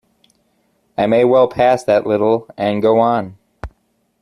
I may well pass that little and go on.